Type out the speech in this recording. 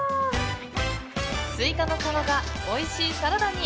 スイカの皮がおいしいサラダに！